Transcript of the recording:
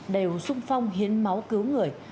đều sung phong hiến máu cứu người